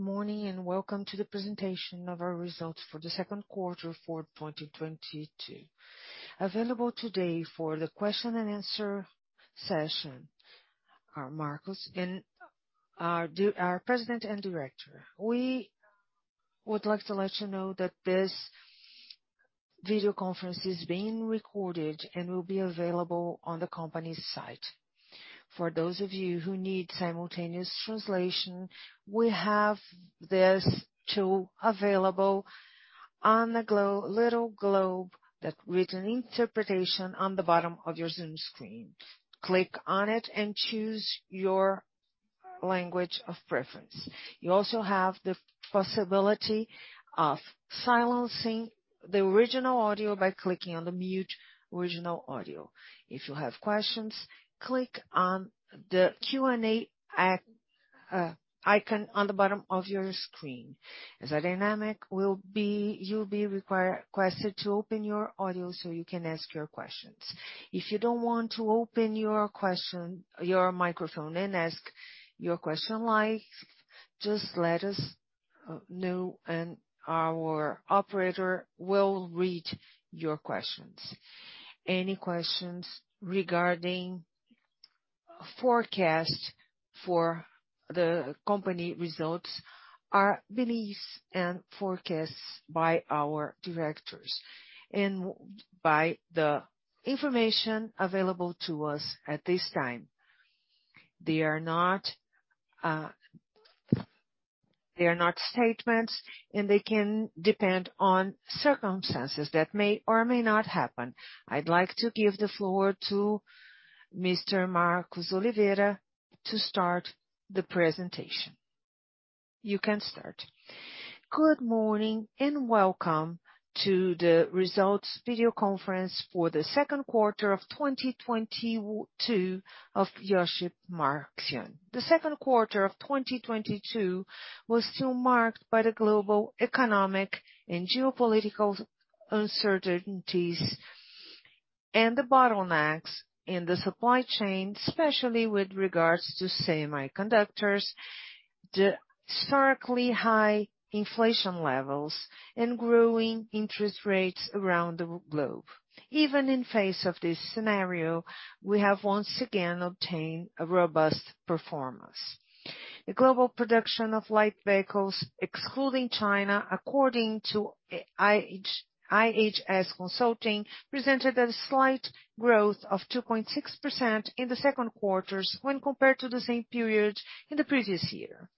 Morning and welcome to the presentation of our results for the second quarter of 2022. Available today for the question and answer session are Marcos, our president and director. We would like to let you know that this video conference is being recorded and will be available on the company's site. For those of you who need simultaneous translation, we have this tool available on the little globe with interpretation on the bottom of your Zoom screen. Click on it and choose your language of preference. You also have the possibility of silencing the original audio by clicking on the mute original audio. If you have questions, click on the Q&A icon on the bottom of your screen. You'll be requested to open your audio so you can ask your questions. If you don't want to open your microphone and ask your question live, just let us know and our operator will read your questions. Any questions regarding forecast for the company results are beliefs and forecasts by our directors, and by the information available to us at this time. They are not statements, and they can depend on circumstances that may or may not happen. I'd like to give the floor to Mr. Marcos Oliveira to start the presentation. You can start. Good morning and welcome to the results video conference for the second quarter of 2022 of Iochpe-Maxion. The second quarter of 2022 was still marked by the global economic and geopolitical uncertainties and the bottlenecks in the supply chain, especially with regards to semiconductors, the historically high inflation levels and growing interest rates around the world. Even in the face of this scenario, we have once again obtained a robust performance. The global production of light vehicles, excluding China, according to IHS Markit, presented a slight growth of 2.6% in the second quarter when compared to the same period in the previous year.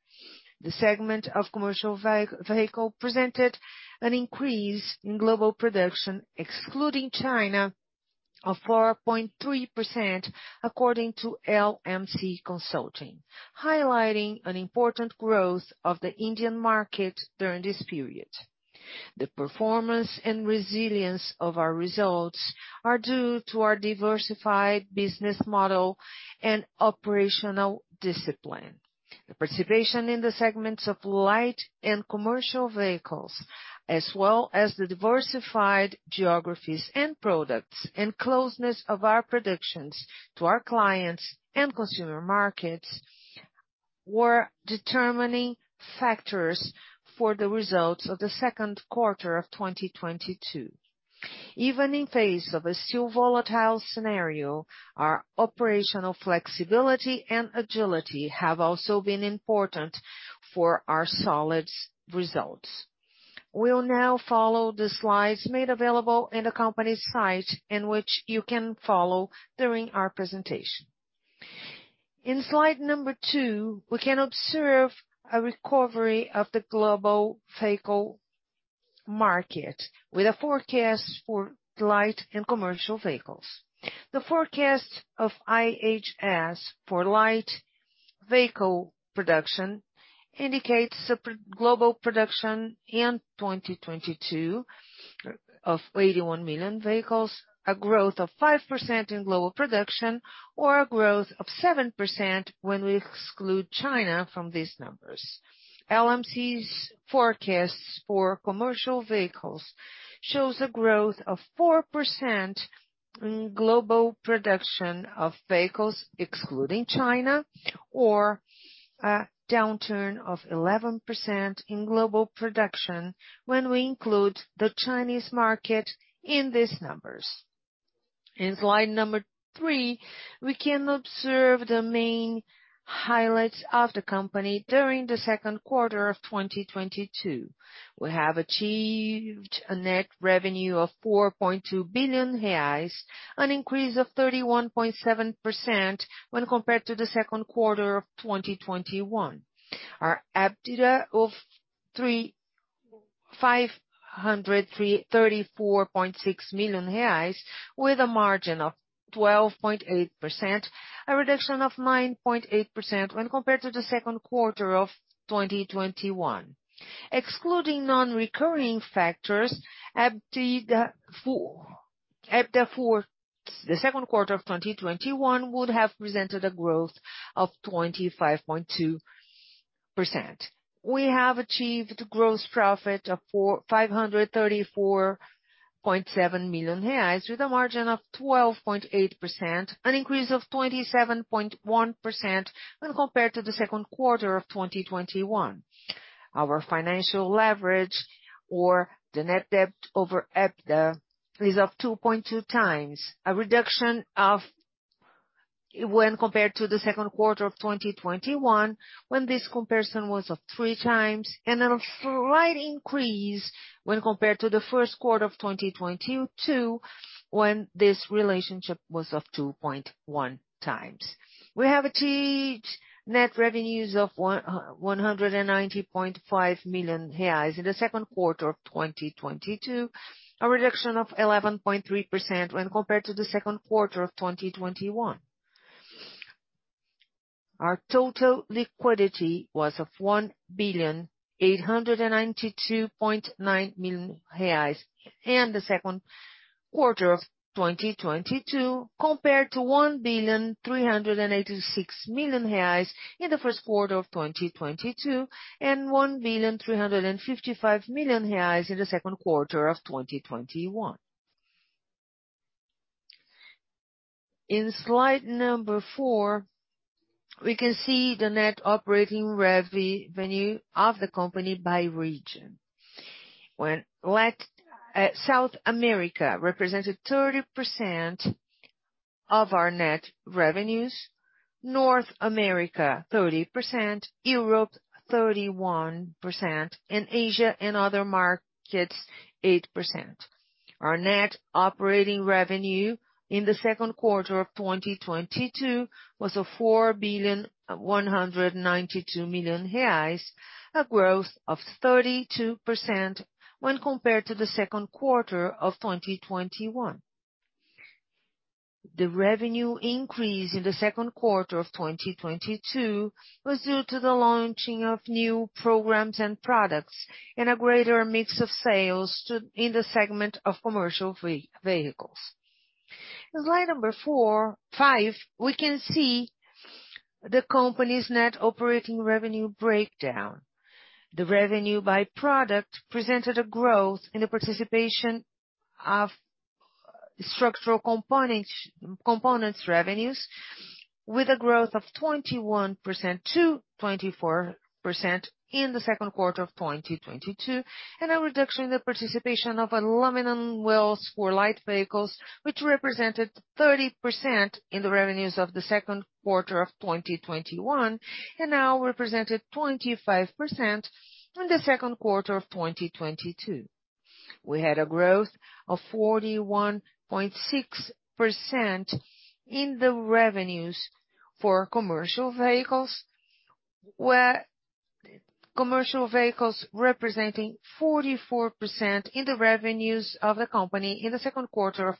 The segment of commercial vehicle presented an increase in global production, excluding China, of 4.3% according to LMC Automotive, highlighting an important growth of the Indian market during this period. The performance and resilience of our results are due to our diversified business model and operational discipline. The participation in the segments of light and commercial vehicles, as well as the diversified geographies and products and closeness of our predictions to our clients and consumer markets, were determining factors for the results of the second quarter of 2022. Even in face of a still volatile scenario, our operational flexibility and agility have also been important for our solid results. We'll now follow the slides made available in the company's site in which you can follow during our presentation. In slide number 2, we can observe a recovery of the global vehicle market with a forecast for light and commercial vehicles. The forecast of IHS for light vehicle production indicates a global production in 2022 of 81 million vehicles, a growth of 5% in global production, or a growth of 7% when we exclude China from these numbers. LMC's forecasts for commercial vehicles shows a growth of 4% in global production of vehicles excluding China, or a downturn of 11% in global production when we include the Chinese market in these numbers. In slide number 3, we can observe the main highlights of the company during the second quarter of 2022. We have achieved a net revenue of 4.2 billion reais, an increase of 31.7% when compared to the second quarter of 2021. Our EBITDA of 534.6 million reais with a margin of 12.8%, a reduction of 9.8% when compared to the second quarter of 2021. Excluding non-recurring factors, EBITDA for the second quarter of 2021 would have presented a growth of 25.2%. We have achieved gross profit of 534.7 million reais with a margin of 12.8%, an increase of 27.1% when compared to the second quarter of 2021. Our financial leverage or the net debt over EBITDA is of 2.2 times, a reduction of when compared to the second quarter of 2021 when this comparison was of three times, and a slight increase when compared to the first quarter of 2022 when this relationship was of 2.1 times. We have achieved net revenues of 190.5 million reais in the second quarter of 2022, a reduction of 11.3% when compared to the second quarter of 2021. Our total liquidity was of 1,892.9 million reais in the second quarter of 2022 compared to 1,386 million reais in the first quarter of 2022, and 1,355 million reais in the second quarter of 2021. In slide number four, we can see the net operating revenue of the company by region. South America represented 30% of our net revenues, North America 30%, Europe 31%, and Asia and other markets 8%. Our net operating revenue in the second quarter of 2022 was 4.192 billion, a growth of 32% when compared to the second quarter of 2021. The revenue increase in the second quarter of 2022 was due to the launching of new programs and products and a greater mix of sales in the segment of commercial vehicles. In slide number five, we can see the company's net operating revenue breakdown. The revenue by product presented a growth in the participation of structural components revenues, with a growth of 21%-24% in the second quarter of 2022, and a reduction in the participation of aluminum wheels for light vehicles, which represented 30% in the revenues of the second quarter of 2021 and now represented 25% in the second quarter of 2022. We had a growth of 41.6% in the revenues for commercial vehicles, where commercial vehicles representing 44% in the revenues of the company in the second quarter of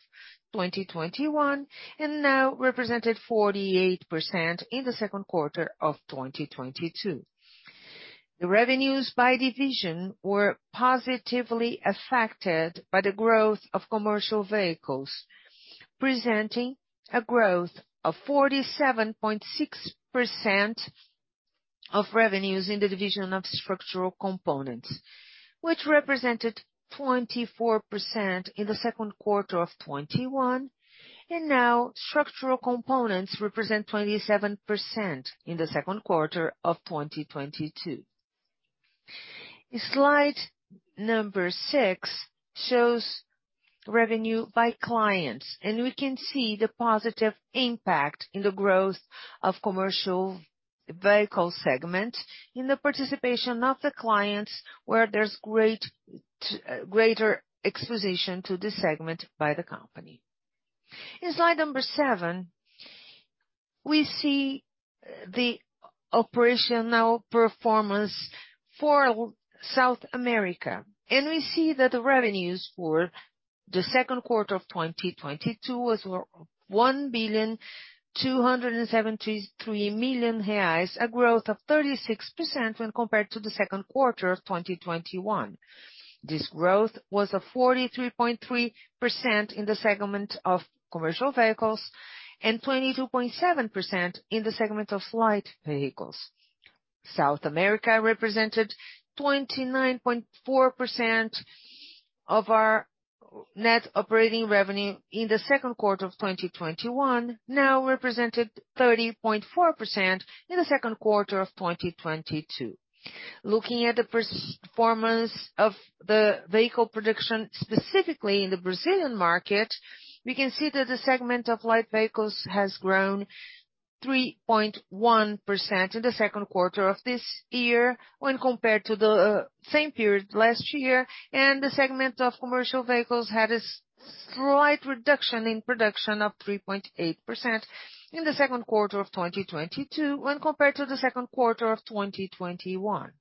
2021, and now represented 48% in the second quarter of 2022. The revenues by division were positively affected by the growth of commercial vehicles, presenting a growth of 47.6% of revenues in the division of structural components, which represented 24% in the second quarter of 2021. Structural components represent 27% in the second quarter of 2022. Slide 6 shows revenue by clients, and we can see the positive impact in the growth of commercial vehicle segment in the participation of the clients, where there's greater exposure to this segment by the company. In slide 7, we see the operational performance for South America, and we see that the revenues for the second quarter of 2022 was 1,273 million reais, a growth of 36% when compared to the second quarter of 2021. This growth was a 43.3% in the segment of commercial vehicles and 22.7% in the segment of light vehicles. South America represented 29.4% of our net operating revenue in the second quarter of 2021, now represented 30.4% in the second quarter of 2022. Looking at the performance of the vehicle production, specifically in the Brazilian market, we can see that the segment of light vehicles has grown 3.1% in the second quarter of this year when compared to the same period last year. The segment of commercial vehicles had a slight reduction in production of 3.8% in the second quarter of 2022 when compared to the second quarter of 2021.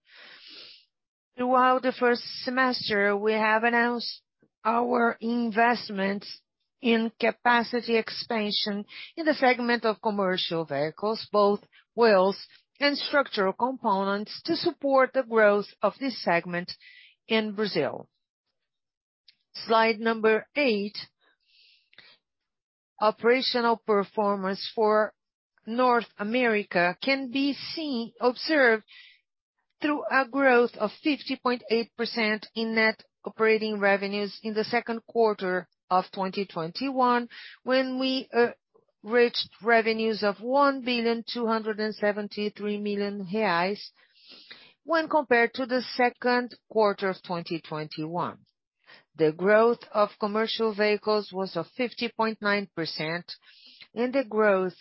Throughout the first semester, we have announced our investments in capacity expansion in the segment of commercial vehicles, both wheels and structural components, to support the growth of this segment in Brazil. Slide number 8. Operational performance for North America can be observed through a growth of 50.8% in net operating revenues in the second quarter of 2021, when we reached revenues of 1,273 million reais when compared to the second quarter of 2020. The growth of commercial vehicles was of 50.9%, and the growth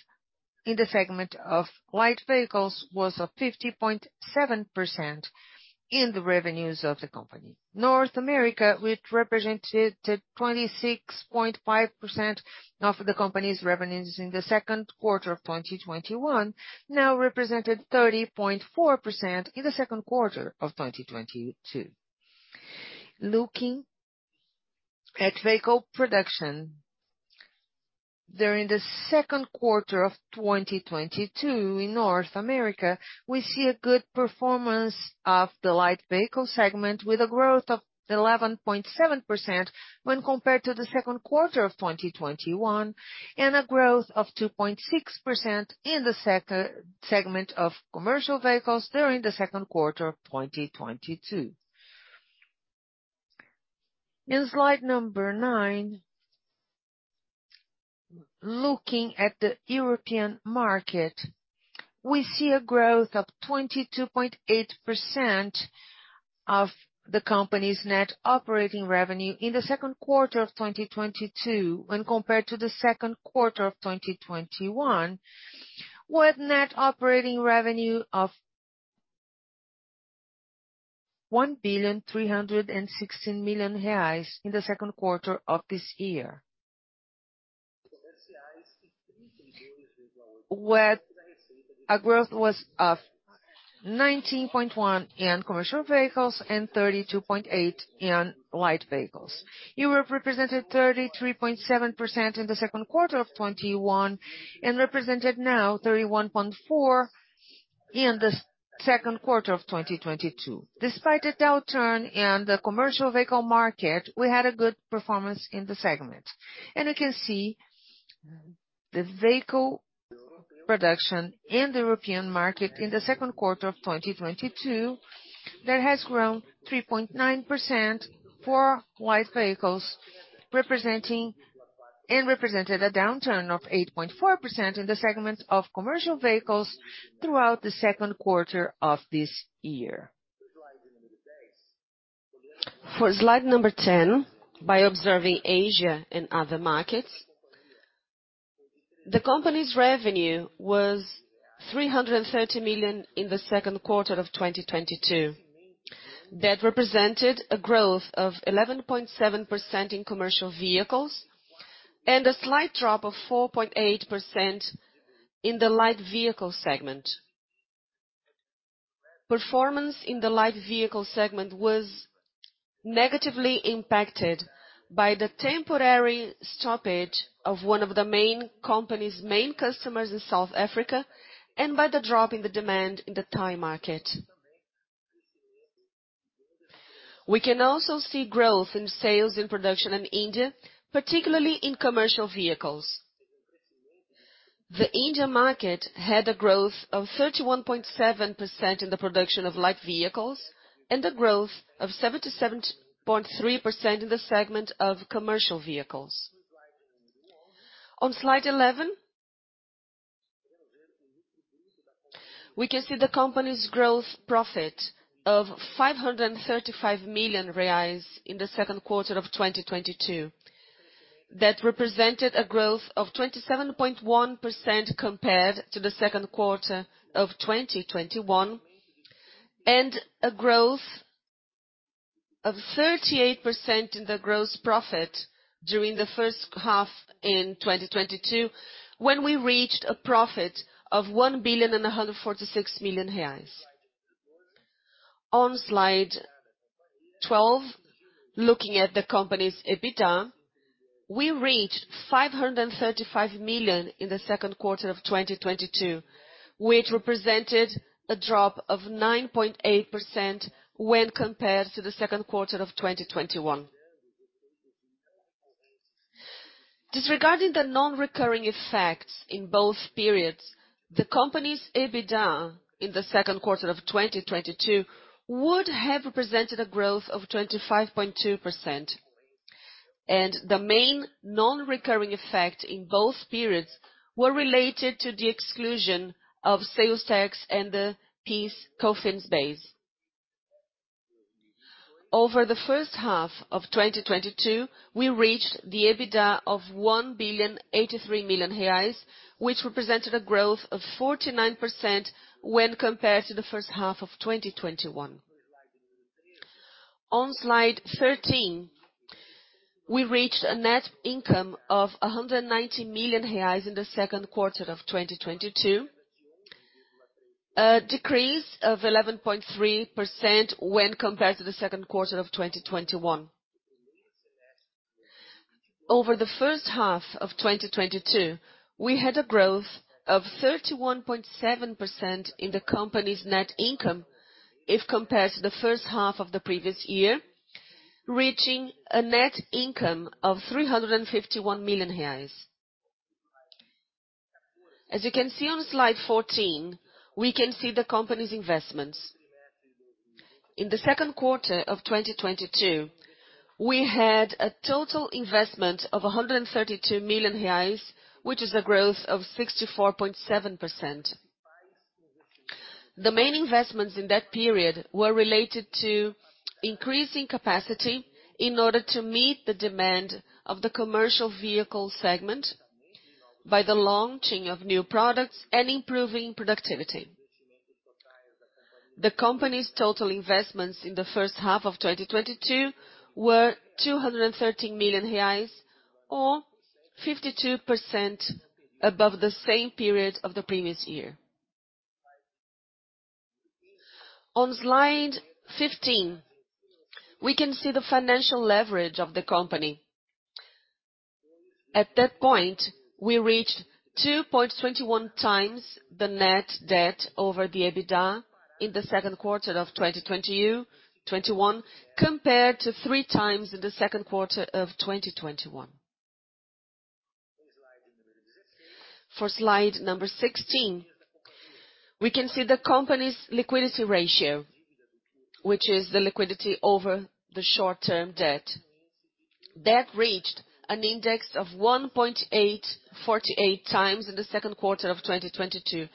in the segment of light vehicles was of 50.7% in the revenues of the company. North America, which represented 26.5% of the company's revenues in the second quarter of 2021, now represented 30.4% in the second quarter of 2022. Looking at vehicle production during the second quarter of 2022 in North America, we see a good performance of the light vehicle segment with a growth of 11.7% when compared to the second quarter of 2021, and a growth of 2.6% in the segment of commercial vehicles during the second quarter of 2022. In slide 9, looking at the European market, we see a growth of 22.8% of the company's net operating revenue in the second quarter of 2022 when compared to the second quarter of 2021, with net operating revenue of BRL 1.316 billion in the second quarter of this year. Where a growth was of 19.1% in commercial vehicles and 32.8% in light vehicles. Europe represented 33.7% in the second quarter of 2021, and represented now 31.4% in the second quarter of 2022. Despite the downturn in the commercial vehicle market, we had a good performance in the segment. You can see the vehicle production in the European market in the second quarter of 2022, that has grown 3.9% for light vehicles and represented a downturn of 8.4% in the segment of commercial vehicles throughout the second quarter of this year. For slide number 10, by observing Asia and other markets, the company's revenue was 330 million in the second quarter of 2022. That represented a growth of 11.7% in commercial vehicles, and a slight drop of 4.8% in the light vehicle segment. Performance in the light vehicle segment was negatively impacted by the temporary stoppage of one of the main company's main customers in South Africa, and by the drop in the demand in the Thai market. We can also see growth in sales and production in India, particularly in commercial vehicles. The India market had a growth of 31.7% in the production of light vehicles, and a growth of 77.3% in the segment of commercial vehicles. On slide 11, we can see the company's gross profit of 535 million reais in the second quarter of 2022. That represented a growth of 27.1% compared to the second quarter of 2021, and a growth of 38% in the gross profit during the first half of 2022, when we reached a profit of 1,146 million reais. On slide 12, looking at the company's EBITDA, we reached 535 million in the second quarter of 2022, which represented a drop of 9.8% when compared to the second quarter of 2021. Disregarding the non-recurring effects in both periods, the company's EBITDA in the second quarter of 2022 would have represented a growth of 25.2%. The main non-recurring effect in both periods were related to the exclusion of sales tax and the PIS/COFINS base. Over the first half of 2022, we reached the EBITDA of 1,083 million reais, which represented a growth of 49% when compared to the first half of 2021. On slide 13, we reached a net income of 190 million reais in the second quarter of 2022. A decrease of 11.3% when compared to the second quarter of 2021. Over the first half of 2022, we had a growth of 31.7% in the company's net income if compared to the first half of the previous year. Reaching a net income of 351 million reais. As you can see on slide 14, we can see the company's investments. In the second quarter of 2022, we had a total investment of 132 million reais, which is a growth of 64.7%. The main investments in that period were related to increasing capacity in order to meet the demand of the commercial vehicle segment by the launching of new products and improving productivity. The company's total investments in the first half of 2022 were BRL 213 million or 52% above the same period of the previous year. On slide 15, we can see the financial leverage of the company. At that point, we reached 2.21x the net debt over EBITDA in the second quarter of 2021, compared to 3x in the second quarter of 2021. For slide number 16, we can see the company's liquidity ratio, which is the liquidity over the short-term debt. That reached an index of 1.848 times in the second quarter of 2022.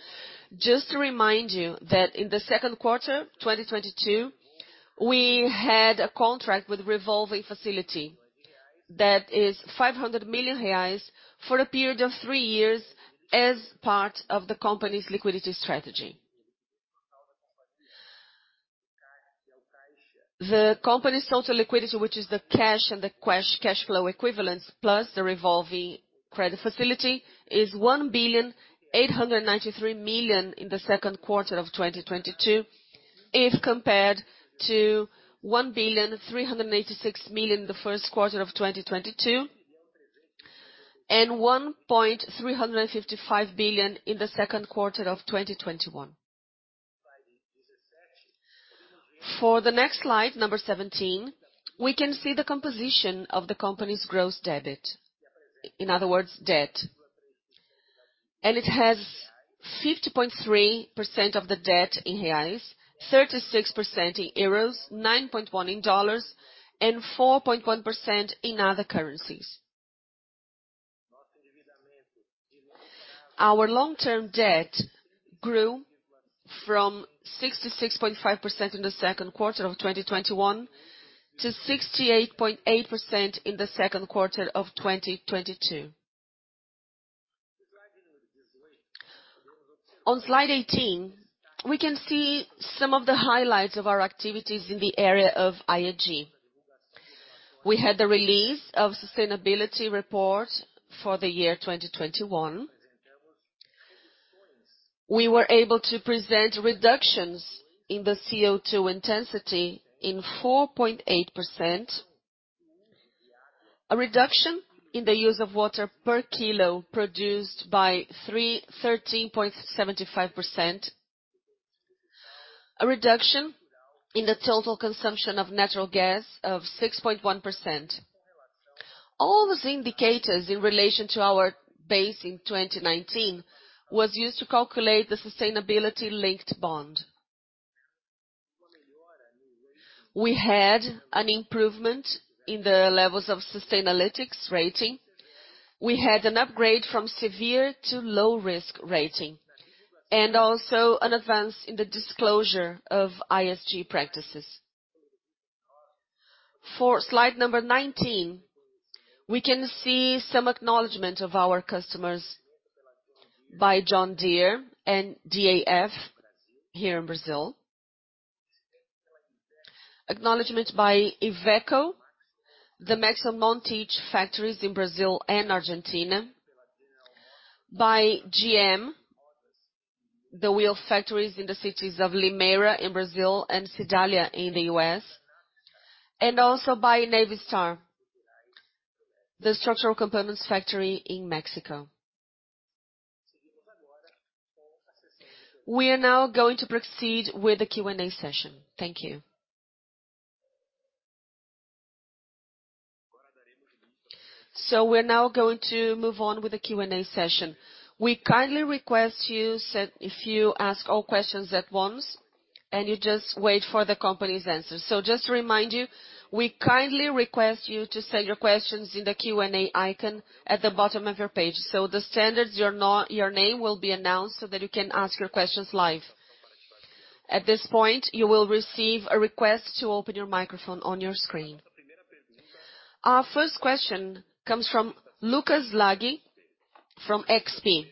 Just to remind you that in the second quarter 2022, we had a contract with revolving credit facility that is 500 million reais for a period of three years as part of the company's liquidity strategy. The company's total liquidity, which is the cash and cash equivalents plus the revolving credit facility, is 1.893 billion in the second quarter of 2022. If compared to 1.386 billion in the first quarter of 2022, and 1.355 billion in the second quarter of 2021. For the next slide 17, we can see the composition of the company's gross debt. In other words, debt. It has 50.3% of the debt in BRL, 36% in EUR, 9.1% in USD, and 4.1% in other currencies. Our long-term debt grew from 66.5% in the second quarter of 2021 to 68.8% in the second quarter of 2022. On slide 18, we can see some of the highlights of our activities in the area of ESG. We had the release of sustainability report for the year 2021. We were able to present reductions in the CO2 intensity in 4.8%. A reduction in the use of water per kilo produced by 13.75%. A reduction in the total consumption of natural gas of 6.1%. All those indicators in relation to our base in 2019 was used to calculate the sustainability-linked bond. We had an improvement in the levels of Sustainalytics rating. We had an upgrade from severe to low risk rating, and also an advance in the disclosure of ESG practices. For slide number 19, we can see some acknowledgment of our customers by John Deere and DAF here in Brazil. Acknowledgment by Iveco, the Maxion Montich factories in Brazil and Argentina. By GM, the wheel factories in the cities of Limeira in Brazil and Sedalia in the U.S. And also by Navistar, the structural components factory in Mexico. We are now going to proceed with the Q&A session. Thank you. We're now going to move on with the Q&A session. We kindly request you if you ask all questions at once and you just wait for the company's answers. Just to remind you, we kindly request you to send your questions in the Q&A icon at the bottom of your page. The standard is, your name will be announced so that you can ask your questions live. At this point, you will receive a request to open your microphone on your screen. Our first question comes from Lucas Laghi from XP.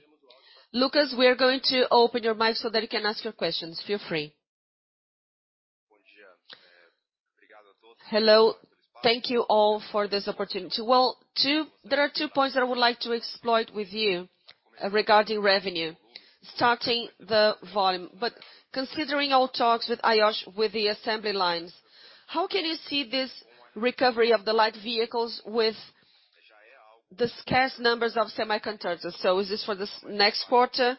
Lucas, we are going to open your mic so that you can ask your questions. Feel free. Hello. Thank you all for this opportunity. Well, there are two points that I would like to explore with you regarding revenue. Starting the volume. Considering all talks with OEMs with the assembly lines, how can you see this recovery of the light vehicles with the scarce numbers of semiconductors. Is this for the next quarter?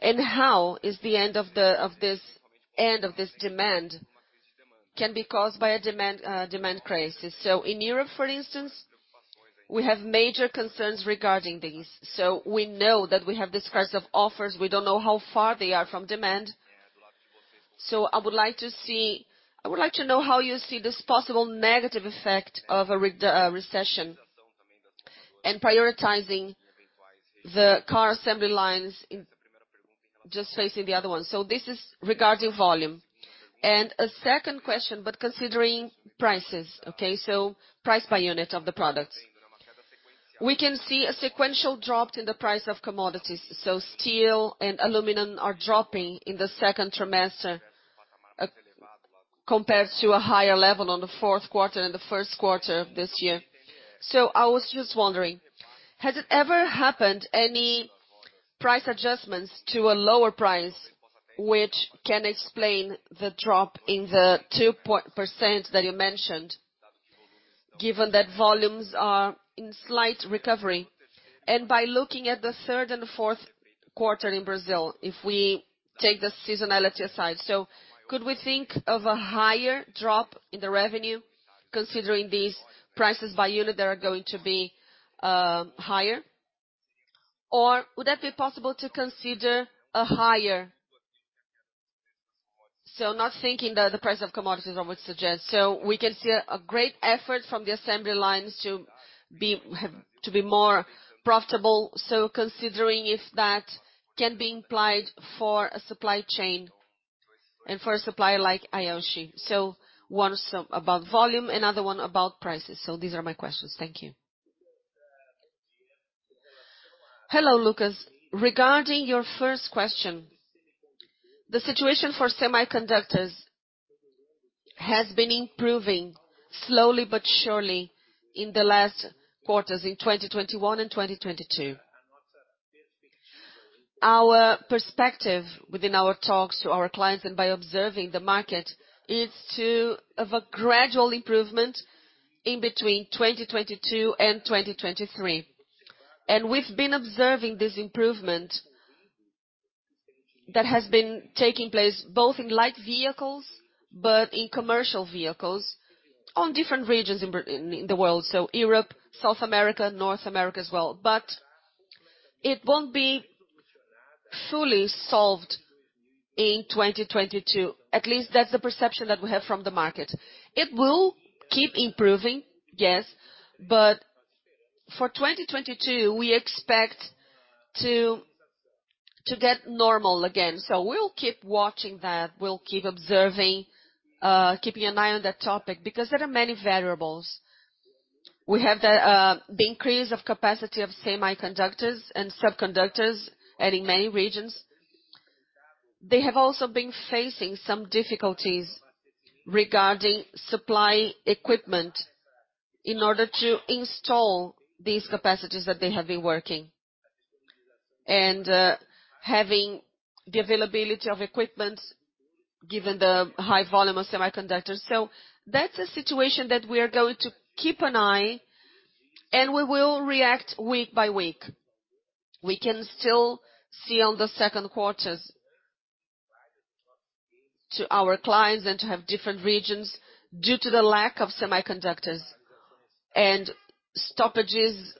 And how the end of this demand can be caused by a demand crisis. In Europe, for instance, we have major concerns regarding these. We know that we have this crisis of supply. We don't know how far they are from demand. I would like to know how you see this possible negative effect of a real recession, and prioritizing the car assembly lines in the face of the other one. This is regarding volume. A second question, considering prices, okay. Price per unit of the product. We can see a sequential drop in the price of commodities. Steel and aluminum are dropping in the second quarter, compared to a higher level in the fourth quarter and the first quarter of this year. I was just wondering, has it ever happened, any price adjustments to a lower price which can explain the drop in the 2% that you mentioned, given that volumes are in slight recovery. By looking at the third and fourth quarter in Brazil, if we take the seasonality aside. Could we think of a higher drop in the revenue considering these prices by unit that are going to be higher? Or would that be possible to consider a higher drop. Not thinking that the price of commodities, I would suggest. We can see a great effort from the assembly lines to have to be more profitable. Considering if that can be implied for a supply chain and for a supplier like Iochpe-Maxion. One is about volume, another one about prices. These are my questions. Thank you. Hello, Lucas. Regarding your first question, the situation for semiconductors has been improving slowly but surely in the last quarters, in 2021 and 2022. Our perspective within our talks to our clients and by observing the market is to have a gradual improvement in between 2022 and 2023. We've been observing this improvement that has been taking place both in light vehicles but in commercial vehicles on different regions in the world. Europe, South America, North America as well. It won't be fully solved in 2022. At least that's the perception that we have from the market. It will keep improving, yes. For 2022, we expect to get normal again. We'll keep watching that. We'll keep observing, keeping an eye on that topic because there are many variables. We have the increase of capacity of semiconductors and subconductors and in many regions. They have also been facing some difficulties regarding supply equipment in order to install these capacities that they have been working. Having the availability of equipment given the high volume of semiconductors. That's a situation that we are going to keep an eye and we will react week by week. We can still see impacts in the second quarter to our clients in different regions due to the lack of semiconductors and stoppages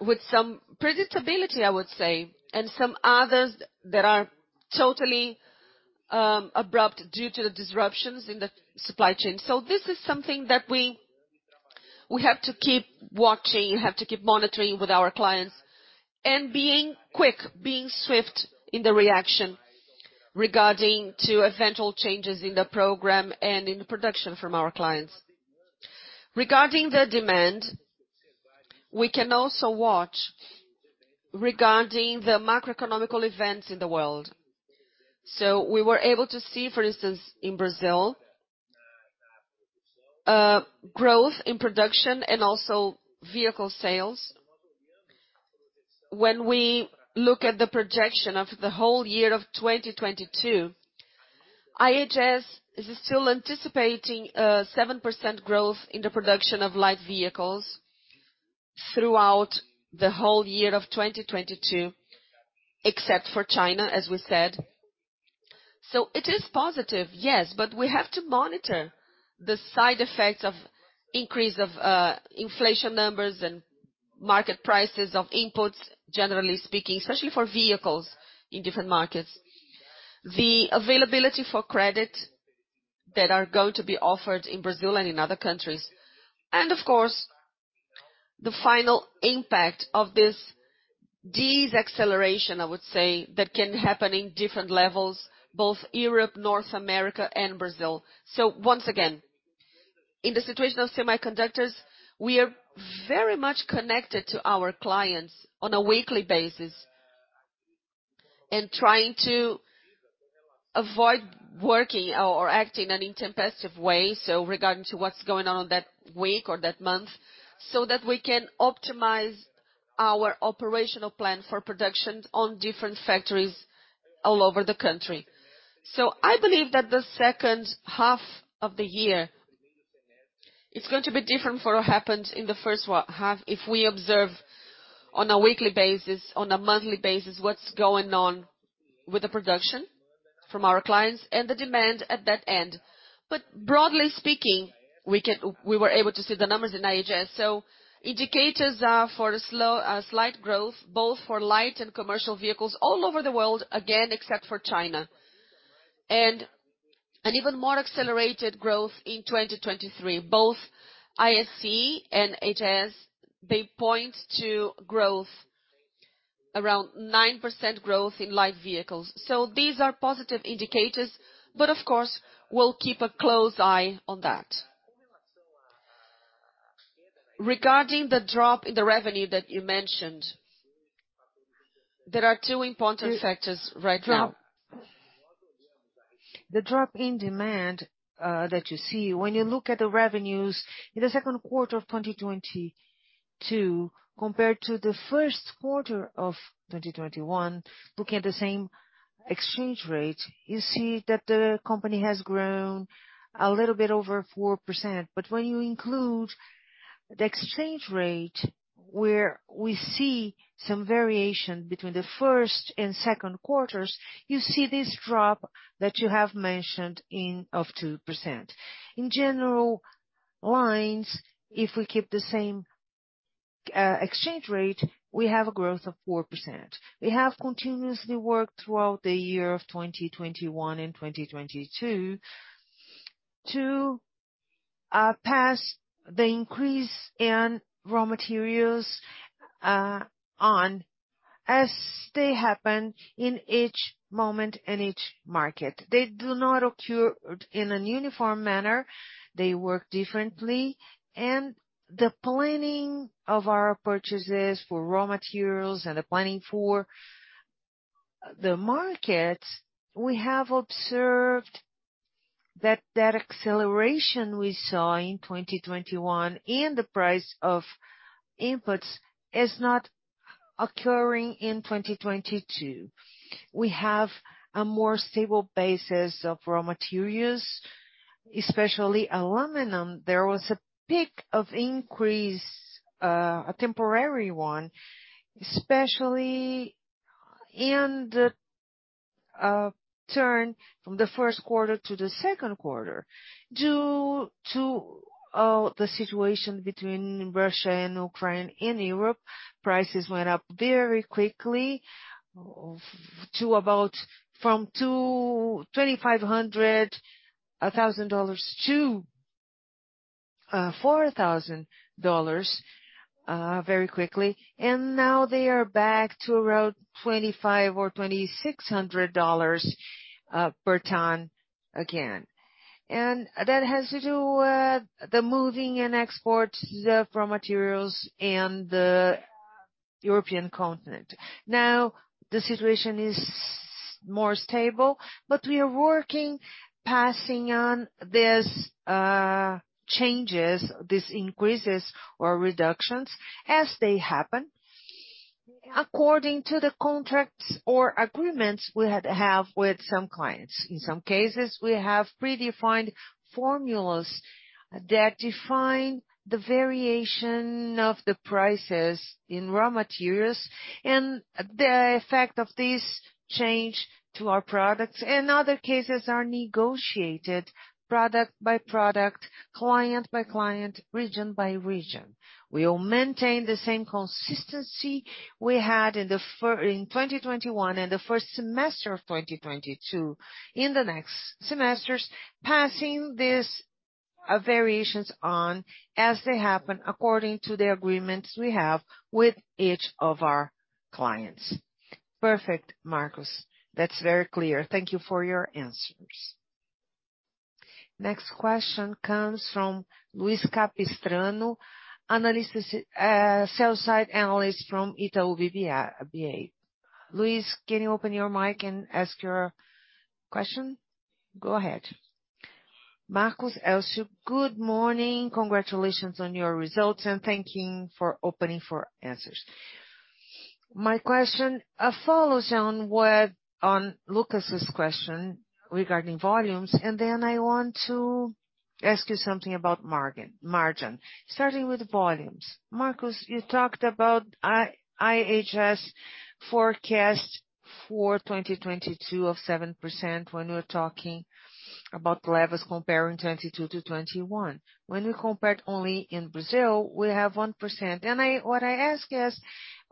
with some predictability, I would say, and some others that are totally abrupt due to the disruptions in the supply chain. This is something that we have to keep watching, we have to keep monitoring with our clients, and being quick, being swift in the reaction regarding eventual changes in the program and in the production from our clients. Regarding the demand, we can also watch regarding the macroeconomic events in the world. We were able to see, for instance, in Brazil, growth in production and also vehicle sales. When we look at the projection of the whole year of 2022, IHS is still anticipating 7% growth in the production of light vehicles throughout the whole year of 2022, except for China, as we said. It is positive, yes, but we have to monitor the side effects of increase of inflation numbers and market prices of inputs, generally speaking, especially for vehicles in different markets. The availability for credit that are going to be offered in Brazil and in other countries. Of course, the final impact of this deceleration, I would say, that can happen in different levels, both Europe, North America and Brazil. Once again, in the situation of semiconductors, we are very much connected to our clients on a weekly basis and trying to avoid working or acting in an intempestive way, so regarding to what's going on in that week or that month. that we can optimize our operational plan for production in different factories all over the country. I believe that the second half of the year, it's going to be different from what happened in the first half, if we observe on a weekly basis, on a monthly basis, what's going on with the production from our clients and the demand on that end. Broadly speaking, we were able to see the numbers in IHS. Indicators are for a slow, slight growth, both for light and commercial vehicles all over the world, again, except for China. Even more accelerated growth in 2023, both LMC and IHS, they point to growth, around 9% growth in light vehicles. These are positive indicators, but of course, we'll keep a close eye on that. Regarding the drop in the revenue that you mentioned, there are two important sectors right now. The drop in demand that you see when you look at the revenues in the second quarter of 2022 compared to the first quarter of 2021, looking at the same exchange rate, you see that the company has grown a little bit over 4%. When you include the exchange rate where we see some variation between the first and second quarters, you see this drop that you have mentioned of 2%. In general lines, if we keep the same exchange rate, we have a growth of 4%. We have continuously worked throughout the year of 2021 and 2022 to pass the increase in raw materials on as they happen in each moment in each market. They do not occur in a uniform manner. They work differently. The planning of our purchases for raw materials and the planning for the market, we have observed that acceleration we saw in 2021 and the price of inputs is not occurring in 2022. We have a more stable basis of raw materials, especially aluminum. There was a peak of increase, a temporary one, especially in the turn from the first quarter to the second quarter. Due to the situation between Russia and Ukraine in Europe, prices went up very quickly, from $2,500-$4,000 very quickly. Now they are back to around $2,500 or $2,600 per ton again. That has to do with the movement and export of the raw materials in the European continent. Now, the situation is more stable, but we are working, passing on these, changes, these increases or reductions as they happen according to the contracts or agreements we have with some clients. In some cases, we have predefined formulas that define the variation of the prices in raw materials and the effect of this change to our products, and other cases are negotiated product by product, client by client, region by region. We will maintain the same consistency we had in 2021 and the first semester of 2022 in the next semesters, passing these, variations on as they happen according to the agreements we have with each of our clients. Perfect, Marcos. That's very clear. Thank you for your answers. Next question comes from Luiz Capistrano, sell-side analyst from Itaú BBA. Luiz, can you open your mic and ask your question? Go ahead. Marcos, Elcio, good morning. Congratulations on your results, and thanking for opening for answers. My question follows on what on Lucas's question regarding volumes, and then I want to ask you something about margin. Starting with volumes. Marcos, you talked about IHS forecast for 2022 of 7% when we're talking about levels comparing 2022 to 2021. When we compared only in Brazil, we have 1%. What I ask is,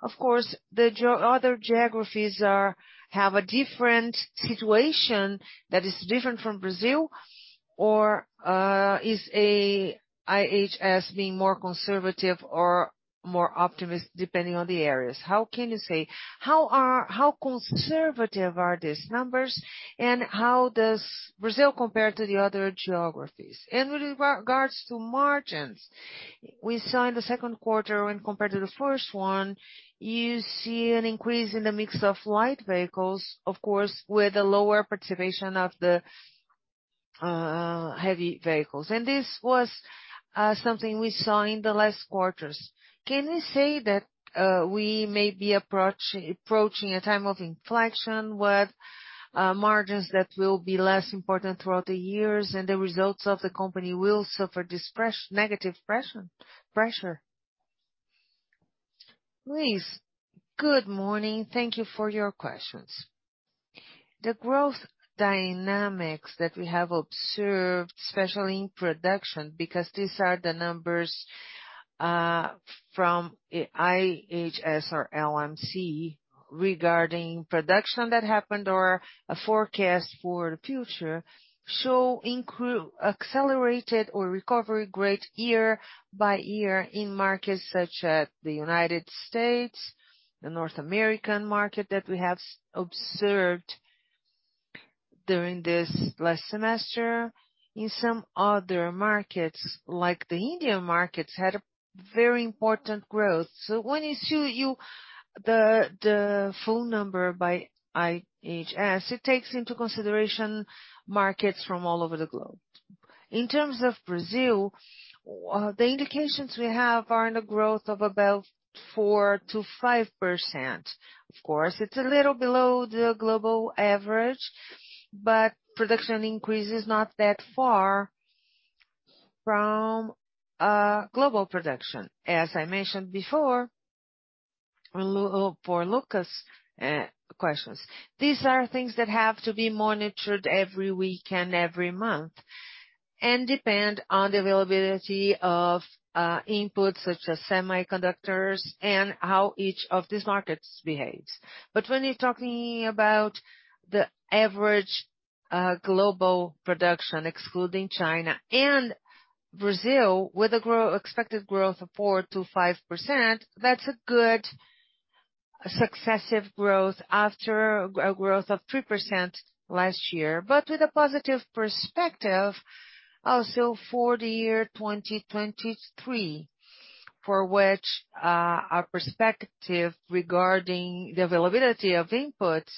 of course, other geographies have a different situation that is different from Brazil or, is IHS being more conservative or more optimistic depending on the areas. How can you say, how conservative are these numbers, and how does Brazil compare to the other geographies? With regards to margins, we saw in the second quarter when compared to the first one, you see an increase in the mix of light vehicles, of course, with a lower participation of the heavy vehicles. This was something we saw in the last quarters. Can we say that we may be approaching a time of inflection, with margins that will be less important throughout the years, and the results of the company will suffer this negative pressure? Luiz, good morning. Thank you for your questions. The growth dynamics that we have observed, especially in production, because these are the numbers from IHS or LMC, regarding production that happened or a forecast for the future, show accelerated recovery greater year by year in markets such as the United States, the North American market that we have observed during this last semester. In some other markets, like the Indian markets, had a very important growth. When you see the full number by IHS, it takes into consideration markets from all over the globe. In terms of Brazil, the indications we have are in the growth of about 4%-5%. Of course, it's a little below the global average, but production increase is not that far from global production. As I mentioned before, for Lucas, questions, these are things that have to be monitored every week and every month. Depend on the availability of inputs such as semiconductors and how each of these markets behaves. When you're talking about the average global production, excluding China and Brazil, with expected growth of 4%-5%, that's a good successive growth after a growth of 3% last year. With a positive perspective also for the year 2023, for which our perspective regarding the availability of inputs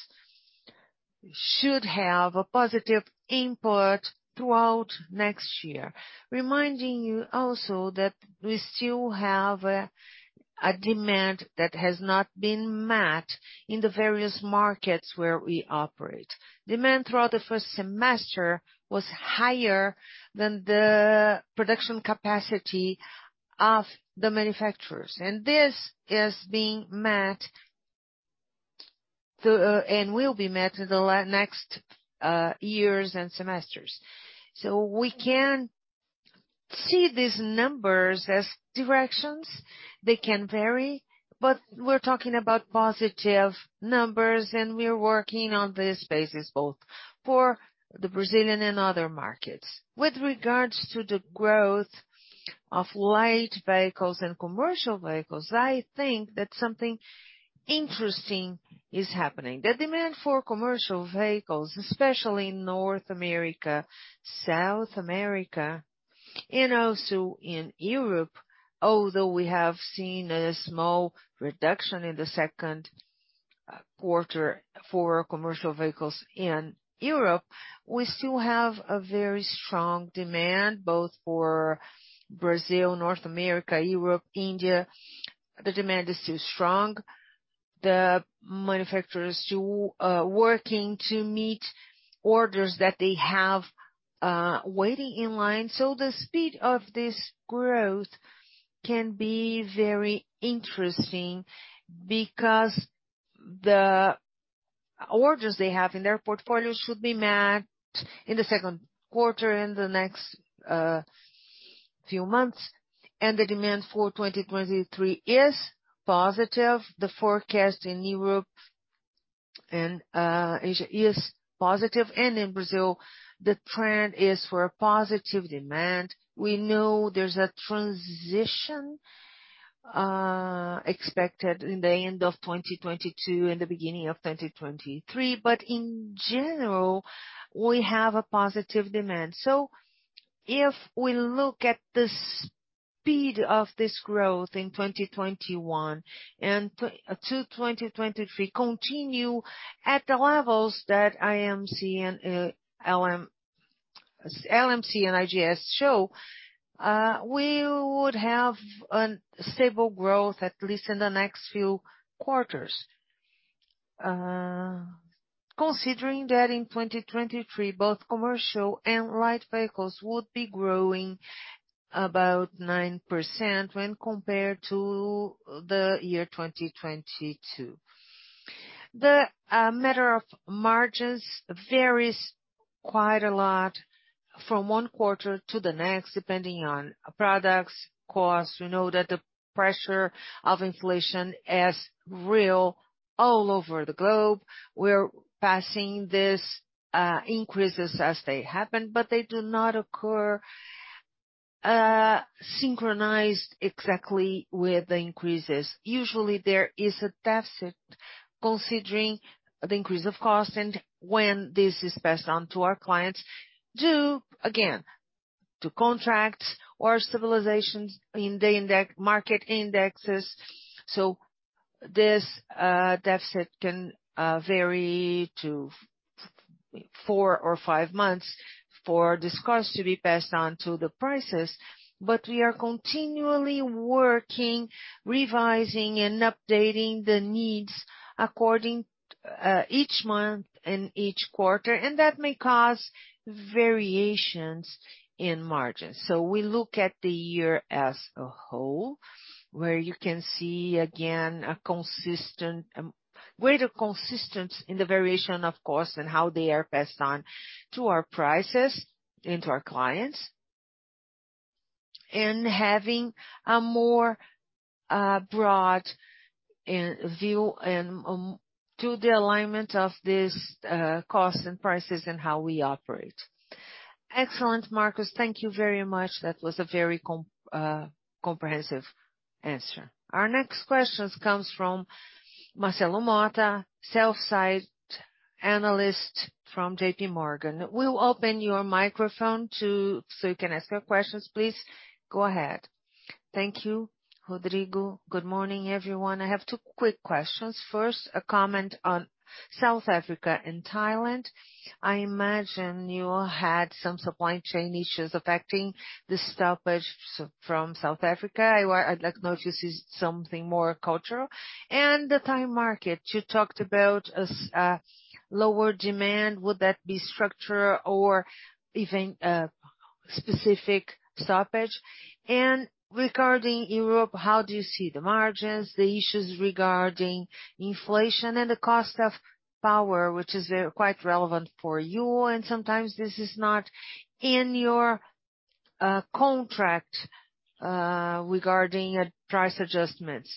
should have a positive input throughout next year. Reminding you also that we still have a demand that has not been met in the various markets where we operate. Demand throughout the first semester was higher than the production capacity of the manufacturers. This is being met and will be met through the next years and semesters. We can see these numbers as directions. They can vary, but we're talking about positive numbers, and we are working on this basis both for the Brazilian and other markets. With regards to the growth of light vehicles and commercial vehicles, I think that something interesting is happening. The demand for commercial vehicles, especially in North America, South America, and also in Europe, although we have seen a small reduction in the second quarter for commercial vehicles in Europe, we still have a very strong demand, both for Brazil, North America, Europe, India. The demand is still strong. The manufacturers still working to meet orders that they have waiting in line. The speed of this growth can be very interesting because the orders they have in their portfolios should be met in the second quarter, in the next few months. The demand for 2023 is positive. The forecast in Europe and Asia is positive. In Brazil, the trend is for a positive demand. We know there's a transition expected in the end of 2022 and the beginning of 2023, but in general, we have a positive demand. If we look at the speed of this growth in 2021 to 2023 continue at the levels that IHS and LMC show, we would have a stable growth at least in the next few quarters. Considering that in 2023, both commercial and light vehicles would be growing about 9% when compared to the year 2022. The matter of margins varies quite a lot from one quarter to the next, depending on products, costs. We know that the pressure of inflation is real all over the globe. We're passing these increases as they happen, but they do not occur synchronized exactly with the increases. Usually there is a deficit considering the increase of cost and when this is passed on to our clients. Due, again, to contracts or clauses in the index, market indexes. This deficit can vary to four or five months for this cost to be passed on to the prices. We are continually working, revising, and updating the needs according to each month and each quarter, and that may cause variations in margins. We look at the year as a whole, where you can see again a consistent way of consistency in the variation of costs and how they are passed on to our prices and to our clients. Having a more broad view and to the alignment of this cost and prices and how we operate. Excellent, Marcos, thank you very much. That was a very comprehensive answer. Our next question comes from Marcelo Motta, sell-side analyst from J.P. Morgan. We'll open your microphone, so you can ask your questions, please. Go ahead. Thank you, Rodrigo. Good morning, everyone. I have two quick questions. First, a comment on South Africa and Thailand. I imagine you had some supply chain issues affecting the stoppages from South Africa. I'd like to know if this is something more cultural. The Thai market, you talked about a lower demand. Would that be structural or even a specific stoppage? Regarding Europe, how do you see the margins, the issues regarding inflation and the cost of power, which is quite relevant for you, and sometimes this is not in your contract regarding price adjustments.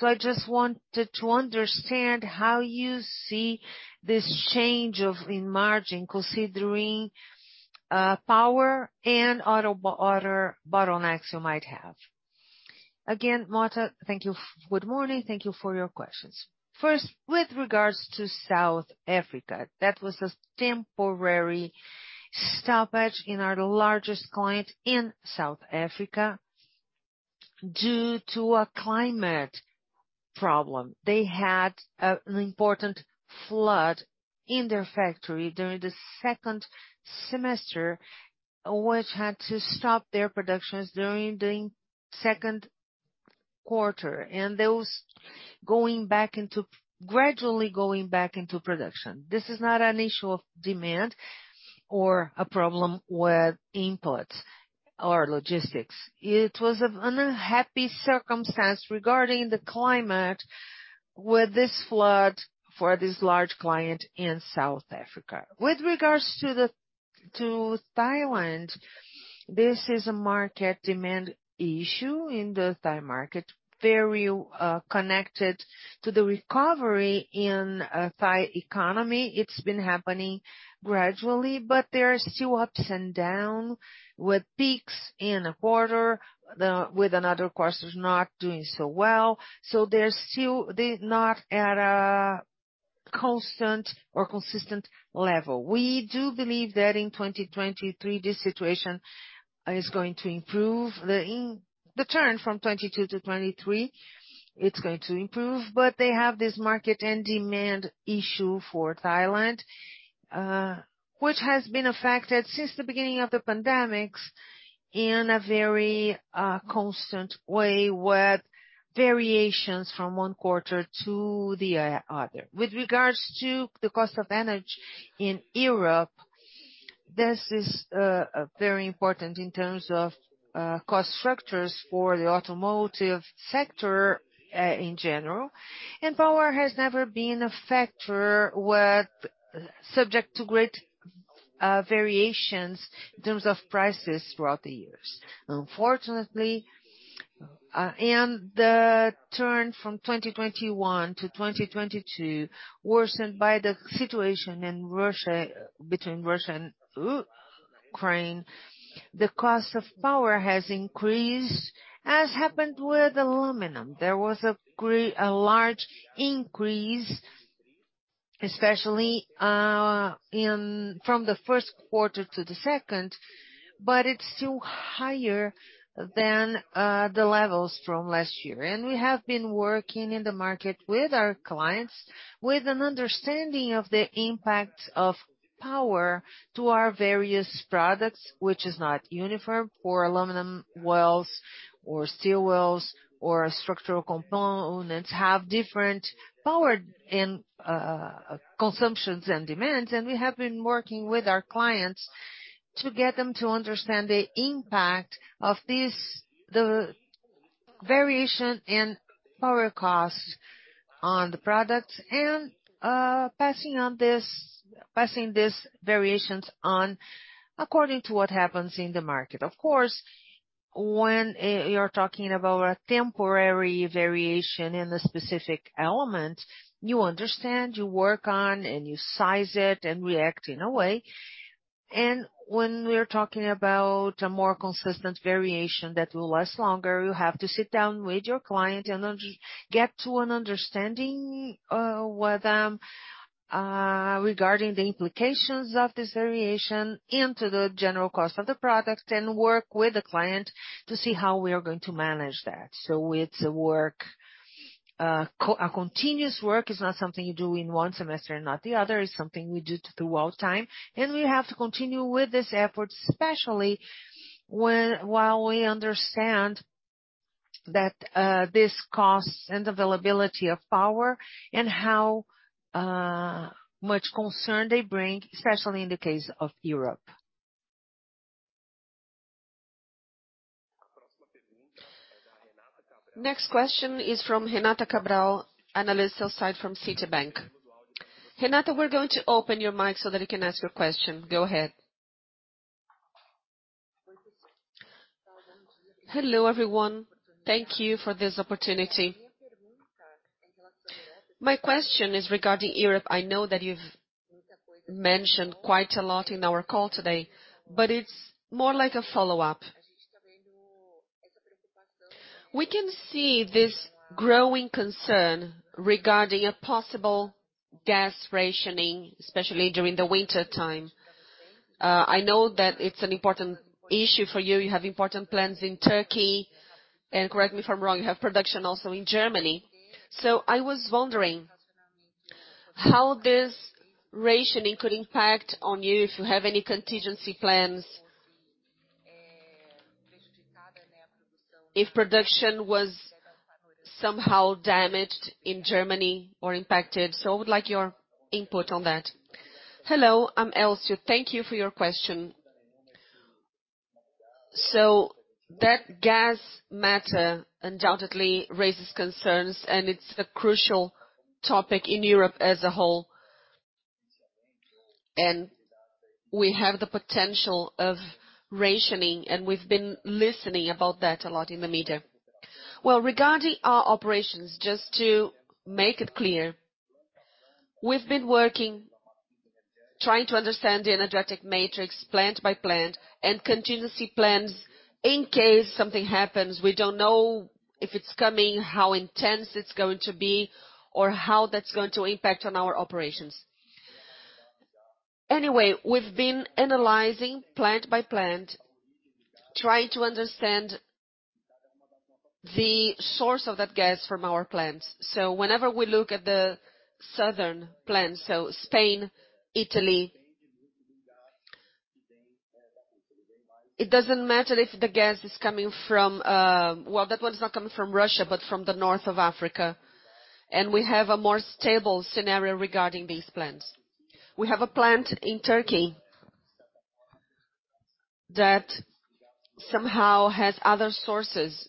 I just wanted to understand how you see this change of the margin considering power and other bottlenecks you might have. Again, Mota. Thank you. Good morning. Thank you for your questions. First, with regards to South Africa, that was a temporary stoppage in our largest client in South Africa due to a climate problem. They had an important flood in their factory during the second semester, which had to stop their productions during the second quarter. Those gradually going back into production. This is not an issue of demand or a problem with input or logistics. It was an unhappy circumstance regarding the climate with this flood for this large client in South Africa. With regards to Thailand, this is a market demand issue in the Thai market, very connected to the recovery in Thai economy. It's been happening gradually, but there are still ups and down with peaks in a quarter, with another quarters not doing so well. So they're not at a constant or consistent level. We do believe that in 2023, this situation is going to improve. In the turn from 2022 to 2023, it's going to improve. They have this market and demand issue for Thailand, which has been affected since the beginning of the pandemic in a very constant way with variations from one quarter to the other. With regards to the cost of energy in Europe, this is very important in terms of cost structures for the automotive sector in general. Power has never been a factor subject to great variations in terms of prices throughout the years. Unfortunately, the turn from 2021 to 2022 worsened by the situation in Russia, between Russia and Ukraine. The cost of power has increased, as happened with aluminum. There was a large increase, especially from the first quarter to the second, but it's still higher than the levels from last year. We have been working in the market with our clients with an understanding of the impact of power to our various products, which is not uniform for aluminum wheels or steel wheels or structural components have different power and consumptions and demands. We have been working with our clients to get them to understand the impact of this, the variation in power costs on the products and passing on this, passing these variations on according to what happens in the market. Of course, when you're talking about a temporary variation in a specific element, you understand, you work on, and you size it and react in a way. When we're talking about a more consistent variation that will last longer, you have to sit down with your client and get to an understanding with them. Regarding the implications of this variation into the general cost of the product, and work with the client to see how we are going to manage that. It's a continuous work. It's not something you do in one semester and not the other. It's something we do throughout time, and we have to continue with this effort, especially while we understand that these costs and availability of power and how much concern they bring, especially in the case of Europe. Next question is from Renata Cabral, sell-side analyst from Citibank. Renata, we're going to open your mic so that you can ask your question. Go ahead. Hello, everyone. Thank you for this opportunity. My question is regarding Europe. I know that you've mentioned quite a lot in our call today, but it's more like a follow-up. We can see this growing concern regarding a possible gas rationing, especially during the wintertime. I know that it's an important issue for you. You have important plants in Turkey, and correct me if I'm wrong, you have production also in Germany. I was wondering how this rationing could impact on you, if you have any contingency plans. If production was somehow damaged in Germany or impacted. I would like your input on that. Hello, Elcio, thank you for your question. That gas matter undoubtedly raises concerns, and it's a crucial topic in Europe as a whole. We have the potential of rationing, and we've been listening about that a lot in the media. Well, regarding our operations, just to make it clear, we've been working, trying to understand the energy matrix plant by plant and contingency plans in case something happens. We don't know if it's coming, how intense it's going to be, or how that's going to impact on our operations. Anyway, we've been analyzing plant by plant, trying to understand the source of that gas from our plants. Whenever we look at the southern plants, so Spain, Italy. It doesn't matter if the gas is coming from. Well, that one's not coming from Russia, but from the North Africa, and we have a more stable scenario regarding these plants. We have a plant in Turkey that somehow has other sources,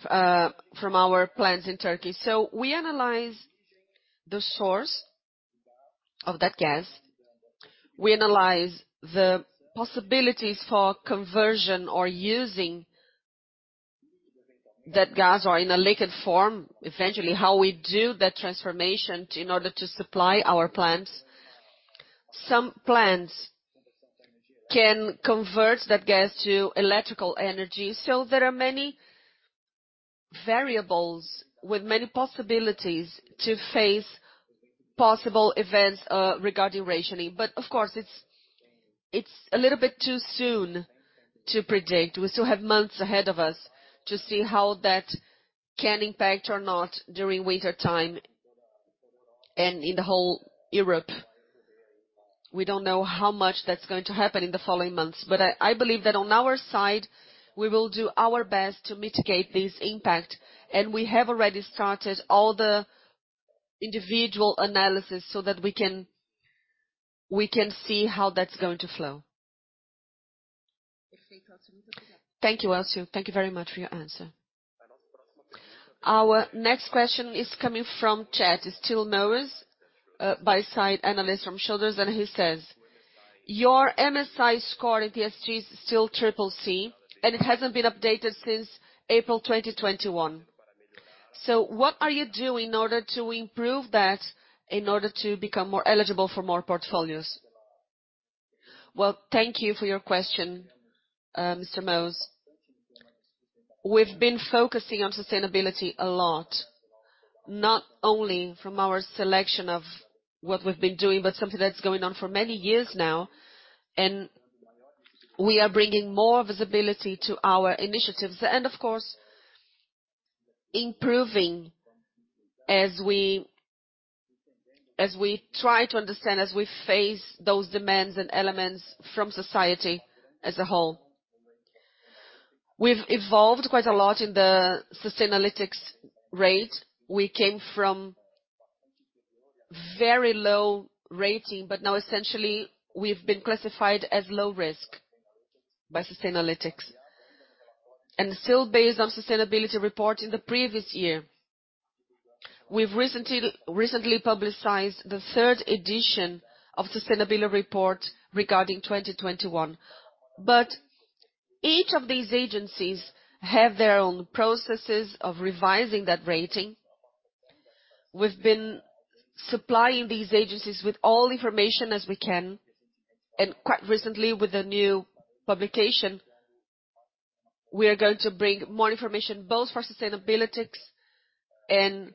from our plants in Turkey. We analyze the source of that gas. We analyze the possibilities for conversion or using that gas or in a liquid form, eventually, how we do that transformation in order to supply our plants. Some plants can convert that gas to electrical energy, so there are many variables with many possibilities to face possible events regarding rationing. Of course, it's a little bit too soon to predict. We still have months ahead of us to see how that can impact or not during wintertime and in the whole Europe. We don't know how much that's going to happen in the following months. I believe that on our side, we will do our best to mitigate this impact. We have already started all the individual analysis so that we can see how that's going to flow. Thank you, Elcio. Thank you very much for your answer. Our next question is coming from chat. It's Thilo Brunner, buy-side analyst from Schroders, and he says, "Your MSCI score in ESG is still triple C, and it hasn't been updated since April 2021. So what are you doing in order to improve that in order to become more eligible for more portfolios?" Well, thank you for your question, Mr. Brunner. We've been focusing on sustainability a lot, not only from our selection of what we've been doing, but something that's going on for many years now. We are bringing more visibility to our initiatives. Of course, improving as we try to understand, as we face those demands and elements from society as a whole. We've evolved quite a lot in the Sustainalytics rate. We came from very low rating, but now essentially we've been classified as low risk by Sustainalytics. Still based on sustainability report in the previous year. We've recently publicized the third edition of sustainability report regarding 2021. Each of these agencies have their own processes of revising that rating. We've been supplying these agencies with all information as we can, and quite recently with the new publication. We are going to bring more information both for Sustainalytics and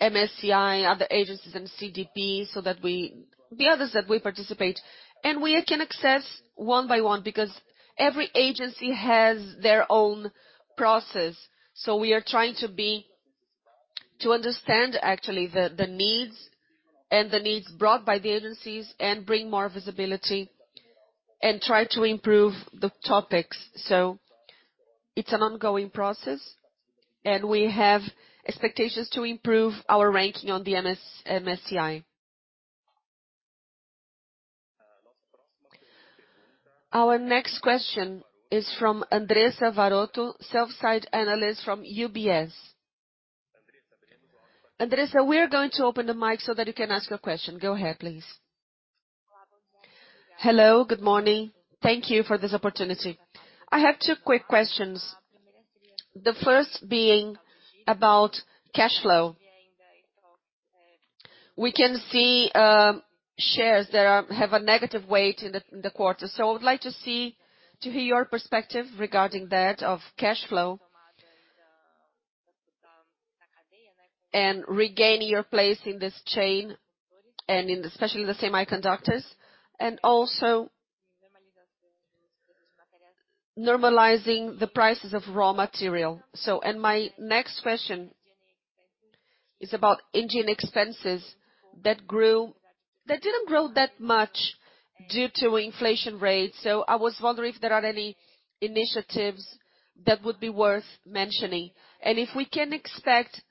MSCI, other agencies and CDP so that we, the others that we participate. We can access one by one because every agency has their own process. We are trying to understand actually the needs brought by the agencies and bring more visibility and try to improve the topics. It's an ongoing process, and we have expectations to improve our ranking on the MSCI. Our next question is from Andressa Varotto, sell-side analyst from UBS. Andressa, we are going to open the mic so that you can ask your question. Go ahead, please. Hello, good morning. Thank you for this opportunity. I have two quick questions. The first being about cash flow. We can see shares that have a negative weight in the quarter. I would like to hear your perspective regarding that of cash flow. And regaining your place in this chain and especially the semiconductors, and also normalizing the prices of raw material. My next question is about engineering expenses that didn't grow that much due to inflation rates. I was wondering if there are any initiatives that would be worth mentioning. And if we can expect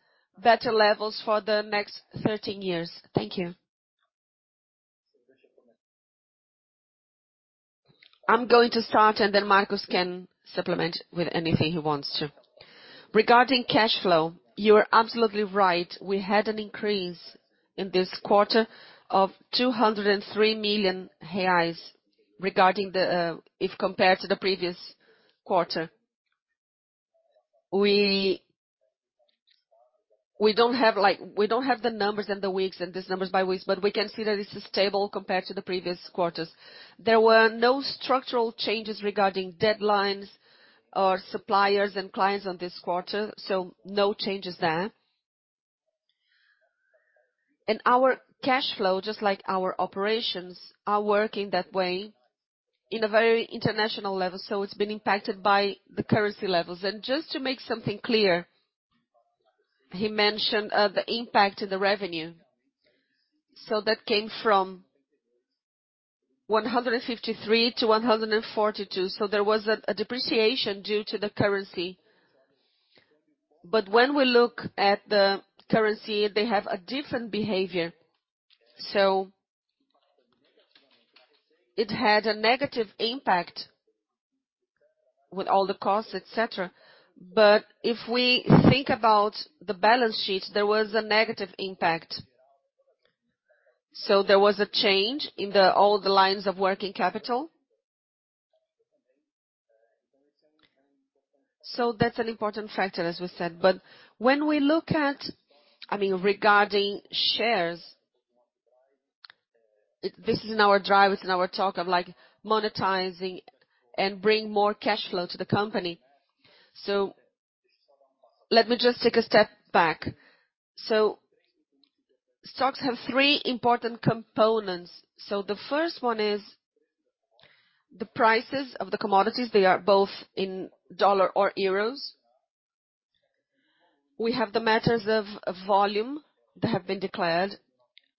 better levels for the next 13 years. Thank you. I'm going to start, and then Marcos can supplement with anything he wants to. Regarding cash flow, you are absolutely right. We had an increase in this quarter of 203 million reais, if compared to the previous quarter. We don't have the numbers and the weeks and these numbers by weeks, but we can see that it's stable compared to the previous quarters. There were no structural changes regarding deadlines or suppliers and clients on this quarter, so no changes there. Our cash flow, just like our operations, are working that way in a very international level, so it's been impacted by the currency levels. Just to make something clear, he mentioned the impact of the revenue. So that came from 153 to 142, so there was a depreciation due to the currency. When we look at the currency, they have a different behavior. It had a negative impact with all the costs, et cetera. If we think about the balance sheet, there was a negative impact. There was a change in all the lines of working capital. That's an important factor, as we said. When we look at, I mean, regarding shares, this is in our drive, it's in our talk of like monetizing and bringing more cash flow to the company. Let me just take a step back. Stocks have three important components. The first one is the prices of the commodities. They are both in dollars or euros. We have the matters of volume that have been declared,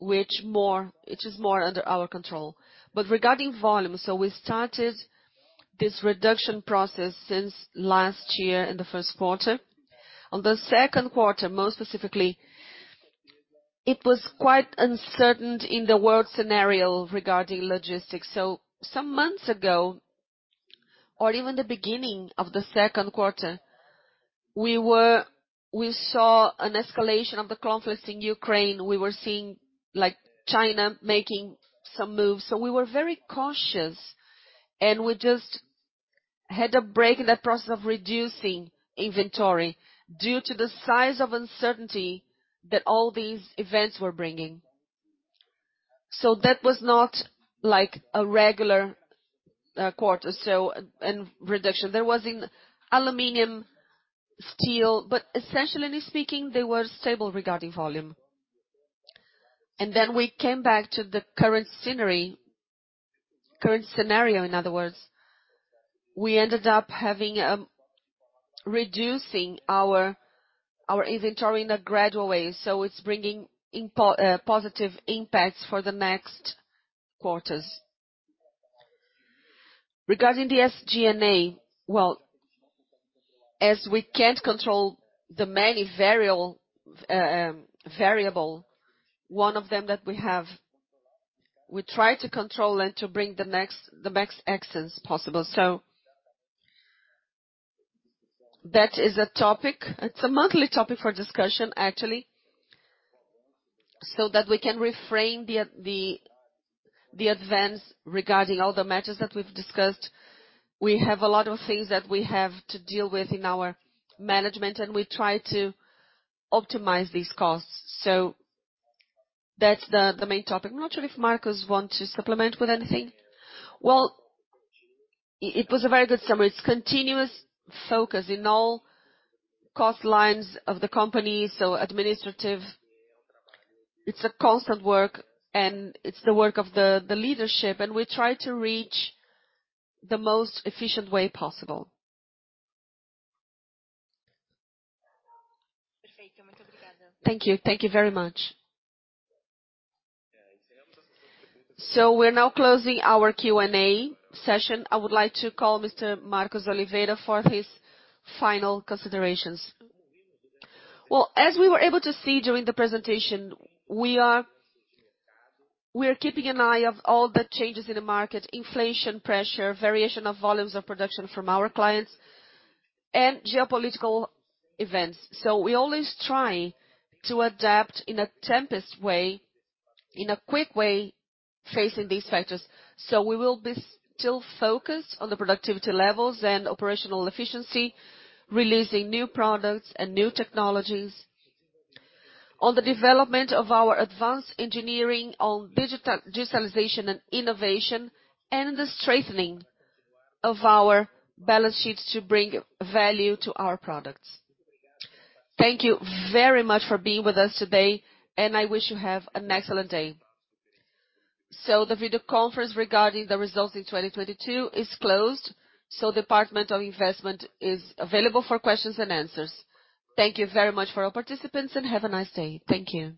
which it is more under our control. Regarding volume, so we started this reduction process since last year in the first quarter. On the second quarter, more specifically, it was quite uncertain in the world scenario regarding logistics. Some months ago, or even the beginning of the second quarter, we saw an escalation of the conflict in Ukraine. We were seeing, like, China making some moves. We were very cautious, and we just had to break that process of reducing inventory due to the size of uncertainty that all these events were bringing. That was not like a regular quarter. Reduction in aluminum, steel. Essentially speaking, they were stable regarding volume. Then we came back to the current scenario, in other words. We ended up having reducing our inventory in a gradual way, so it's bringing positive impacts for the next quarters. Regarding the SG&A, well, as we can't control the many variable, one of them that we have, we try to control and to bring the max excellence possible. That is a topic. It's a monthly topic for discussion, actually, so that we can reframe the advance regarding all the matters that we've discussed. We have a lot of things that we have to deal with in our management, and we try to optimize these costs. That's the main topic. I'm not sure if Marcos want to supplement with anything. Well, it was a very good summary. It's continuous focus in all cost lines of the company, administrative. It's a constant work, and it's the work of the leadership, and we try to reach the most efficient way possible. Thank you. Thank you very much. We're now closing our Q&A session. I would like to call Mr. Marcos Oliveira for his final considerations. Well, as we were able to see during the presentation, we are keeping an eye on all the changes in the market: inflation pressure, variation of volumes of production from our clients, and geopolitical events. We always try to adapt in a timely way, in a quick way, facing these factors. We will be still focused on the productivity levels and operational efficiency, releasing new products and new technologies on the development of our advanced engineering on digitalization and innovation, and the strengthening of our balance sheets to bring value to our products. Thank you very much for being with us today, and I wish you have an excellent day. The video conference regarding the results in 2022 is closed. Investor Relations department is available for questions and answers. Thank you very much for our participants, and have a nice day. Thank you.